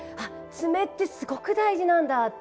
つめってすごく大事なんだって。